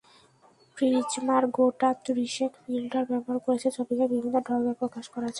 প্রিজমার গোটা ত্রিশেক ফিল্টার ব্যবহার করে ছবিকে বিভিন্ন ঢঙে প্রকাশ করা যায়।